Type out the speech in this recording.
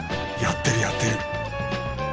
やってるやってる！